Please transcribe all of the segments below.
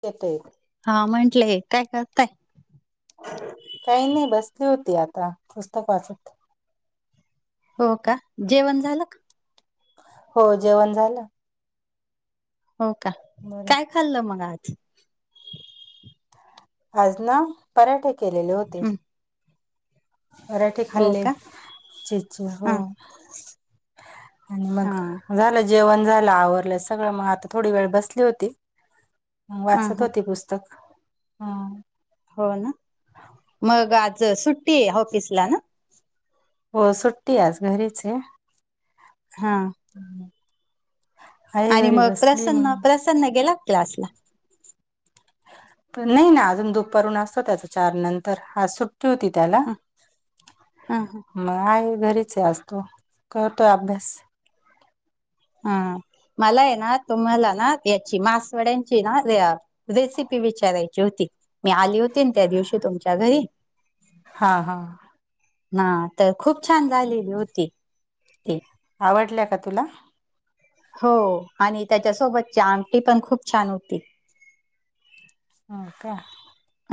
येते. हा म्हंटलेय काय करताय? काही नाही बसली होती आता पुस्तक वाचत. हो का. जेवण झालं का? हो जेवण झाल. हो का बर काय खाल्लं? मग आज. आज ना पराठे केलेले होते. हं, पराठे हो खाल्ले. का चेचे हो हा आणि हा मग झालं जेवण झालं आवरलं सगळं मग आता थोडी वेळ बसली होती. हा वाचत हा होते पुस्तक हम्म. हो ना. मग आज सुट्टी आहे ऑफिसला ना, हो सुट्टी आज घरीच आहे. हा [inaudible] आहे आणि घरी मग बसली प्रसन्न, मग प्रसन्न गेला का क्लासला?? नाही ना अजून दुपरून असत त्याच चार नंतर आज सु ट्टी होति त्याला. हा हा हा मग आहे घरीच आहे तो करतोय अभ्यास. हा मला आहे ना तुम्हाला ना याची मासवड्यांची ना, रेसिपी विचारायची होती मी आली होती ना त्या दिवशी तुमच्या घरी. हा हा ना तर खूप छान झालेली होती ती, आवडल्या का तुला? हो आणि त्याच्यासोबतची आमटी पण खूप छान होती. हो का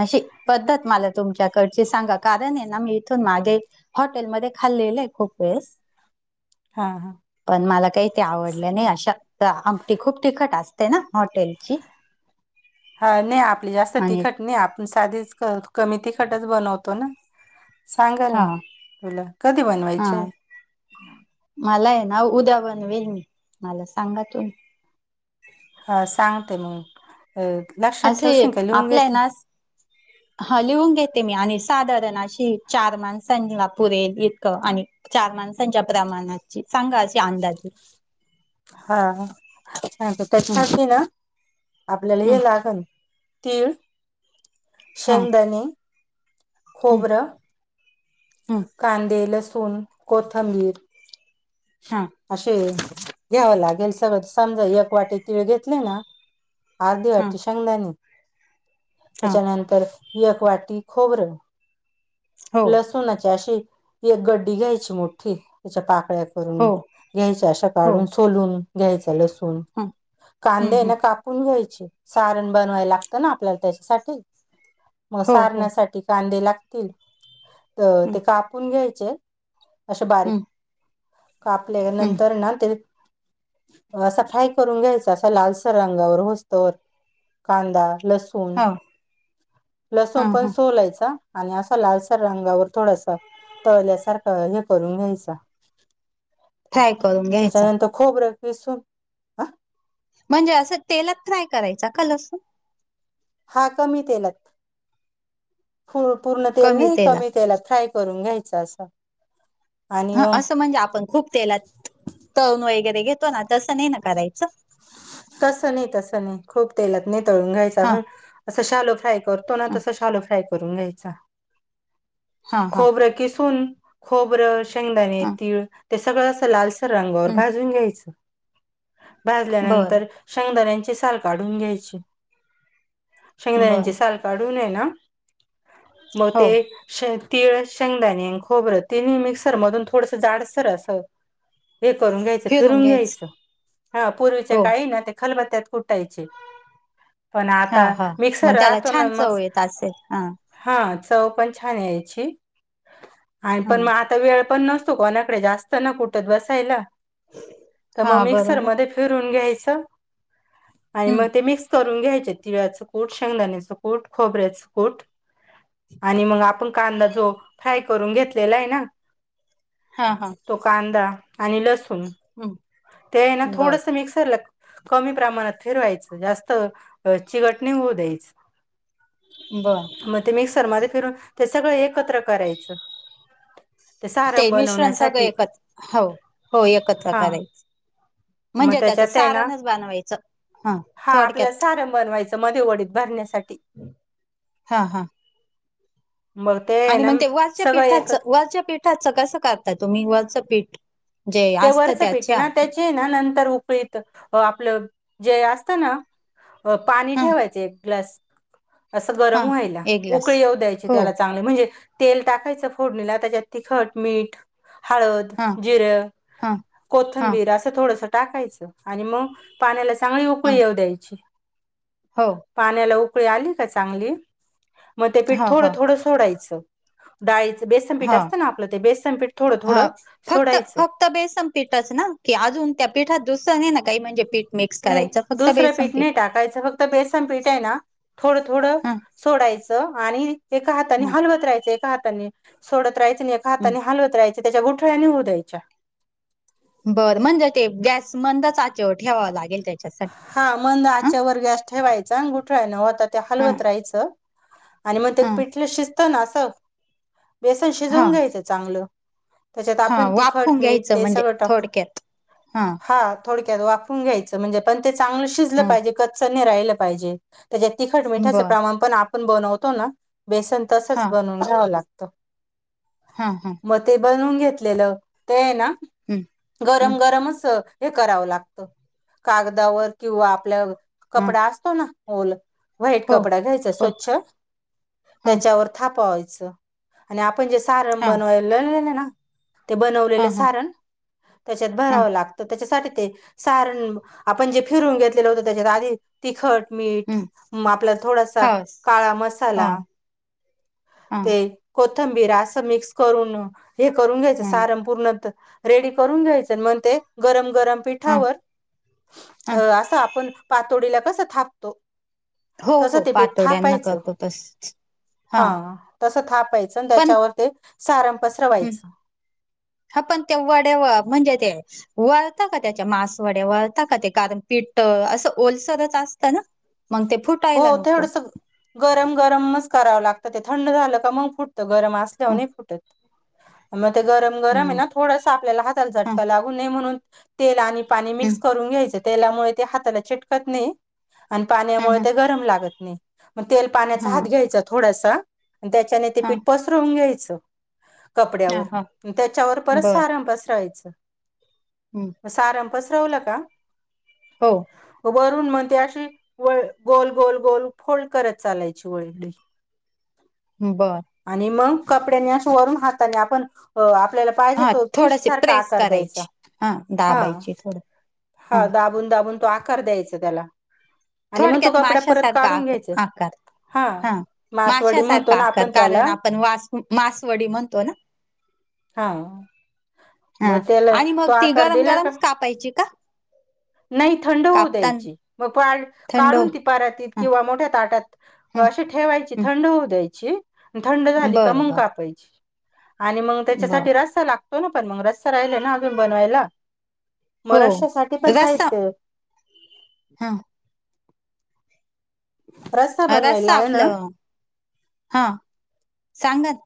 अशी पद्धत मला तुमच्याकडची सांगा कारण आहे ना मी इथून मागे, हॉटेलमध्ये खाल्लेल आहे खूप वेळेस. हां हां पण मला काही ते आवडलं नाही अशा. तर आमटी खूप तिखट असते ना हॉटेलची. हा नाही आपली जास्त आणि तिखट नाही आपण साधीच कमी तिखटच बनवतो ना, सांगाल हा ना तुला कधी हा बनवायची आहे. मला आहे नाव उदा्या बनवेल मी मला सांगा तु. हा सांगते मग लक्षात असे ठेवशील का लिहून आपल्या आहे घेते. ना हा लिहून घेते मी आणि साधारण अशी चार माणसां ला. पुरेल इतकं आणि चार माणसांच्या प्रमाणची सांगा. अंदाजे हा हं, तरछास ना. आपल्याला हं, हे लागण तीळ हं, शंदणे. हं, खोबरं हं, कांदे लसूण कोथंबीर. हा असे घ्यावं लागेल सगळं समजा एक वाटी तिळ घेतले ना. आर्ध हा वाटची शांंगदानी. हा त्याच्यानंतर यकवाटी खोबरं. हो लसुणाची अशी एक गड्डी घ्यायची मोठी त्याच्या पाकळ्या. ून हो घ्यायच्या अशा हो काढून सोलून घ्यायच लसूण हं हं कांद्या हं ना काप. न घ्यायचे सारण बनवाय लागतं ना आपल्याला त्याच्यासाठी. मग हो हो सारण्यासाठी कांदे लागतील. तर हं ते कापून घ्यायचे असे बारीक हं कापले हं नंतर ना ते. असा फ्राय करून घ्यायचा असा लालसर रंगावर होसत कांदा लस. हा हा लसूण सोलायचा आणि लालसर रंगावर थोडसा तळल्यासारखं हे करून घ्यायच. फ्राय करून घ्यायचा त्याच्यानंतर खोब रखस. म्हणजे असं तेलात फ्राय करायचा का लसून. हा कमी तेलत. ू पूर्ण तेल नाही कमी तेलात फ्राय करून घ्यायचं असं. आणि ह मग असं म्हणजे आपण खूप तेलात तण वगैरे घेतो ना तसं नाही ना. करायचं तस नाही तस नाही खूप तेलात न तळून घ्यायच हा पण असं शालो फ्राय करतो ना हा तसं शालो फ्राय करून घ्यायचा हा हा खोबरं किसून खोबरं शेंगदाणे हा तिळ ते सगळं असं लाल रांंगावर हम्म भाजून घ्यायचं. बरं भाजल्यानंतर शंगदाऱ्यांची साल काढून घ्यायचे. बरं शंगदाण्याची साल काढूनय ना मग हो ते. शे तीळ शेंगदाणी खोबरं ति मिक्सर मधून थोडसं जाडसर अस हे करून घ्यायचं फिरून घ्यायचं. हा पूर्वीच्या हो काही ना ते खलबत्त्यात कुटायचे. पण हा आता हा मग मिक्सर त्याला राहतो ना छान मग. चव येत असेल हा हा चव पण छान आहे याची आणि हा पण मग आ आता वेळ पण नसतो कोणाकडे जास्त ना कुठत बसायला. ह तर मग मिक्सर मध्ये फिरून घ्यायचं आणि हम्म मग ते मिक्स करून घ्यायचे तिळ्याचं कूट शेंगदाण्याच कूट खोबऱ्याचं कूट आणि मग आपण कांदा जो फ्राय करून घेतलेला आहे ना हा हा. तो कांदा आणि लसूण. हम ते ना थोडंस मिकसर लाग कमी प्रमाणात फिरवायचं जास्त चिघटणी होऊ द्यायच. बर. मग ते मिक्सरमध्येध्ये फिरून ते सगळं एकत्र करायचं. सारण ते मिश्रण सगळं बनवण्यासाठी एकत्र हो हो एकत्र हा करायचं. मग म्हणजे त्याचं त्याच्यात आहे ना सारणच बनवायचं हा थोडक्यात. ारम बनवायच मध्ये वडीत भरण्यासाठी. हा हा. मग ते आहे आणि ना म्हणते वरच्या सगळं पीठाचं, एकत्र वरच्या पीठाचं कसं करता तुम्ही वरचं पीठ. जे ते असतं वर्सपीठ त्याच्या ना त्याचे ना नंतर उकळीत आपलं जे असतं ना अ पाणी ह ठेवायच एक ग्लास. असं गरम हा व्हायला एक ग्लास उकळी येऊ द्यायची हो त्याला चांग म्हणजे तेल टाकायचं फोडणीला त्याच्यात तिखट मीट, हळद, हा जिर. हा. हा कोथंबीर असं थोडसं टाकायचं आणि मग पाण्याला चांगली ह उकळी येऊ द्यायची. हो. पाण्याला उकळी आली का चांगली, मग ते हो पीठ हो थोडं थोडं सोडायचं. डाळीचं बेसनपीठ हा असतं ना आपलं ते बेसनपीठ थोडं थोडं सोडायचं. ते बेसन पीठच ना की अजून त्या पीठात दुसरं नाही ना काही म्हणजे पीठ. मिक्स करायचं फक्त बेसन पीठ. खायच फक्त बेसन पिटाय ना थोडं-थोडं हा सोडायचं आणि एका हाताने हलवत राहायचं, एका हाताने सोडत राहाचं आणि एका हा हाताने हलवत राहायच. त्याच्या गुठळ्या निघु द्यायच्या. बरं म्हणजे ते गॅस मंद‌ आचेवर ठेवावं लागेल त्या. हा मंद आच्यावर गॅस ठेवायचा गुठळायन होता ते हं हलवत राहायचं. आणि मग ते हं पिठलं शिजतं ना असं बेसन हा शिजवून घ्यायचं चांगलं. त्याच्यात हा आपण वाफवून तिखट मीठ घ्यायचं ते म्हणजे सगळं टाकू, थोडक्यात हा. थोडक्यात वापरून घ्यायचं म्हणजे पण ते चांगलं शिजलं हा पाहिजे कच्चं नाही राहिलं पाहिजे. त्याच्यात तिखट मिठाचं बर प्रमाण पण आपण बनवतो ना बेसन तसच हा बनवून घ्यावं लागतं. हा हा. म ते बनून घेतलेलं ते आहे ना हं हं गरम गरम अस हे करावं लागतं कागदावर किंवा आपल्या हा कपडा असतो ना ओल. व्हाईट हो कपडा घ्यायचा हो स्वच्छ हा त्याच्यावर थापवायचं. आणि आपण जे सारण हा बनव लललेलं ना. ते हा बनवलेले हा सारण त्याच्यात हा भरावं लागतं त्याच्यासाठी ते सारण आपण जे फिरून घेतलेलं होतं त्याच्यात आधी तिखट मीठ हं म आपला थोडासा हस काळा हा मसाला. हा ते कोथंबीर असं मिक्स करून हे करून घ्यायचं हा सारण पूर्ण होत रेडी करून घ्यायचं मग ते गरम-गरम हा पिठावर हा असं आपण पातोडीला कसं थाप त हो तस हो ते पीठ पातोड्यांना थापायचं, करतो तसच हा. तसं थापायचं आणि पण त्याच्यावर ते सारण पसरवायचं. ह पण तेव्हाढ्याव म्हणजे ते वळता का त्याच्या मासवड्या वळता का ते कारण पिठ असं ओलसरच असतं ना. मग ते फुट हो तेडस गरम-गरमच करावं लागतं ते थंड झालं का मग फुट गरम असल्याव हं नाही फुटत मग ते गरम-गरम आहे हं ना. थोडासा आपल्याला हाताला हं झटका लागू नाही म्हणून तेल आणि पाणी हं मिक्स करून घ्यायचें. तेलामुळे ते हाताला चिटकत नाही, आणि हं पाण्यामुळे हं ते गरम लागत नाही. मग तेल पाण्याचा हात हां घ्यायचा थोडासा आणि त्याच्याने ते हां पीठ पसरवून घ्यायचं. हां कपड्यावर हां त्याच्यावर परत सारण पसरायचं. हम्म. सारण पसरवलं का? हो. वरून मग त्या अशी व गोल, गोल, गोल फोल्ड करत चालायची ओळीगडी. बरं आणि मग कपड्यांनी अस वरून हाताने आपण हो आपल्याला पाहिजे हा तो फिश थोडशी सारखा प्रेस आकार द्यायचा करायची हा दाबायची थोडं हा दाबून दाबून तो आकार द्यायचा त्याला आणि मग तो थोडक्यात कपडा परत माशासारखा काढून घ्यायचा आकार आकार हा मासवडी माशासारखा म्हणतो ना आकार आपण कारण त्याला आपण मासवडी म्हणतो ना हा हा मग त्याला आणि मग तो ती आकार गरम दिला का गरमच कापायची का नाही थंड होऊ कापताना द्यायची मग पा थंड हो- काढून ती परातीत हं किंवा मोठ्या ताटात हं असशी ठेवायची हं थंड होऊ द्यायची थंड झाली का बर मग बर कापायची आणि मग बर त्यांच्यासाठी रस्ता लागतो ना, पण मग रस्ता राहिला ना अजून बनवायला म हो रस्सासाठी काय रस्सा साहित्य हाय हा रस्सा बनवायला आहे ना आपलं हां सांगा ना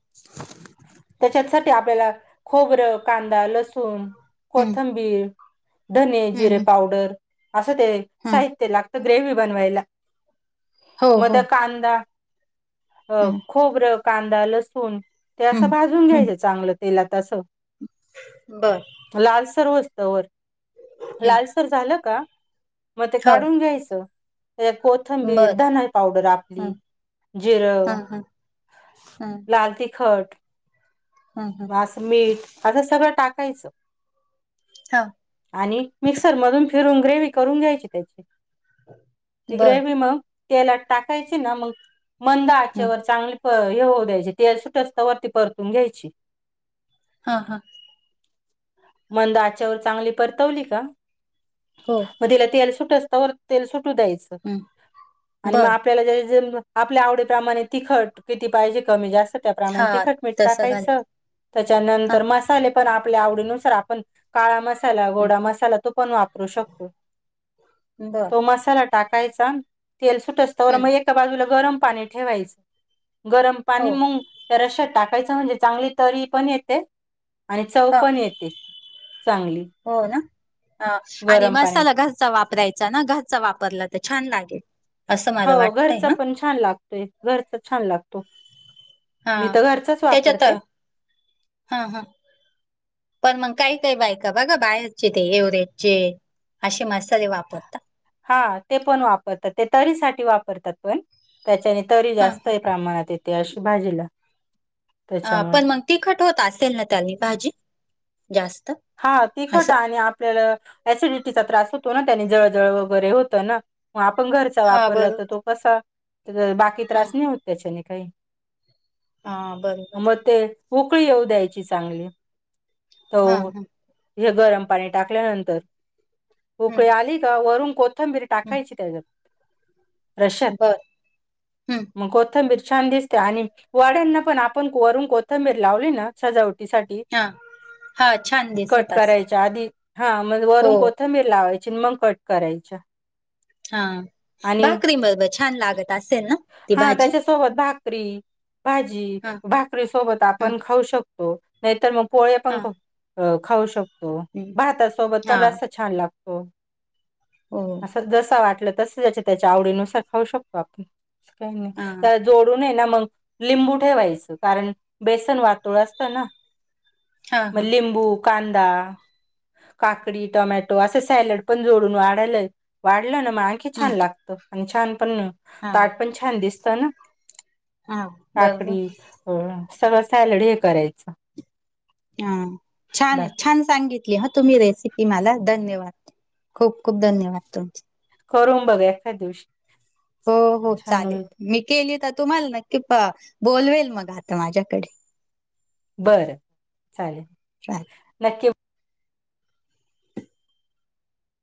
त्यांच्यासाठी आपल्याला खोबरं, कांदा, लसूण हं कोथिंबीर धने, हं जिरे हं पावडर असं ते हा साहित्य लागतं ग्रेव्ही बनवायला हो म हो ते कांदा अ हं खोबरं, कांदा, लसूण ते असं हं भाजून घ्यायचं चांगलं तेलात असं बरं लालसर होउस तवर हं लालसर झालं का मग ते हो काढून घ्यायचं कोथंबीर, बर धन पावडर आपली हं हा जिरं हा हा लाल तिखट हा हा असं मीठ असं सगळं टाकायचं हा आणि मिक्सर मधून फिरून ग्रेव्ही करून घ्यायची त्यांची ती बर ग्रेव्ही म तेलात टाकायची ना मग मंद हं आचेवर चांगली हे होऊ द्यायची तेल सुटस तवर ती परतून घ्यायची हा हा मंद आचेवर चांगली परतवली का हो तीला तेल सुटस तरव तेल सुटू द्यायचं हं आणि म बर आपल्या आवडीप्रमाणे तिखट किती पाहिजे कमी जास्त त्याप्रमाणे हा तिखटमीठ तसं घालेल टाकायचं हा त्याच्यानंतर मसाले पण आपल्या आवडीनुसार आपण काळा मसाला हं गोडा मसाला तो पण वापरू शकतो बर तो मसाला टाकायचा तेल सुटस तवर हं म एका बाजूला गरम पाणी ठेवायचं गरम पाणी हो मंग रश्यात टाकायचं म्हणजे, चांगली तरी पण येते आणि चव हा पण येते चांगली हो ना आणि गरम पाण्यात मसाला घरचा वापरायचा ना घरचा वापरला तर छान लागेल असं हो मला वाटतंय घरचा ह पण छान लागतोय, घरचा छान लागतो हा मी तर घरचाच त्याच्यात वापरते. हा हा पण मग काही काही बायका बघा बाहेरचे ते एव्हरेजचे. असे मसाले वापरतात. हा ते पण वापरतात ते तरीसाठी वापरतात पण. त्याच्याने तरी हा हा जास्तही प्रमाणात येते अशी भाजीला अ त्याच्यामुळे पण मग तिखट होतं असेल ना त्यांनी भाजी जास्त हा तिकट असं आणि आपल्याला एसिडिटीचा त्रास होतो ना त्याने जळजळ वगैरे होतं ना म आपण घरचा हा वापरला तर बरोबर तो कसा बाकी हा त्रास नाही होतं त्यांच्याने काही हा बरोबर मग ते उकळी येऊ द्यायची चांगली हा हो हा इ गरम पाणी टाकल्यानंतर हम्म उकळी आली का वरून कोथंबीर. थबिर टाकायची त्याच्यात. हम्म रश्यात बर हम्म मग कोथंबीर छान दिसते आणि वाड्यांना पण आपण वरून कोथंबीर लावली ना सजावटीसाठी हा! हा छान दि कट करायच्या आधी हा म हो वरून कोथंबीर लावायची मग कट करायच्या. हा आणि भाकरी बरोबर छान लागत असेल ना ती भाजी? सोबत भाकरी भाजी हा भाकरी सोबत हा आपण खाऊ शकतो. नाहीतर मग पोळे हा पण खाऊ शकतो हम्म, भातासोबत हा पण रस्सा छान लागतो हो असा जसा वाटलं तस याच्या त्याच्या आवडीनुसार खाऊ शकतो आपण अस काय नाही. हा जोडून हाय ना मग लिंबू ठेवायचं कारण बेसन वाटूळ असतं ना. हा म हा लिंबू, कांदा काकडी, टोमॅटो असं सॅलड पण जोडून वाढालं वाढलं ना मग आणखी ह छान लाग त, आणि छान पण हा ताट पण छान दिसत ना हा बरोबर काकडी सर्व सॅलरी हे करायचं. हा छान बाय आहे छान सांगित ह तुम्ही रेसिपी मला धन्यवाद खूप खूप धन्यवाद तुमचे. करून बघ एखा दिवशी. हो हो छान चालेल होईल मी केली तर तुम्हाला नक्की बोलवेल मग आता माझ्याकडे. बरं चालेल चालेल नक्की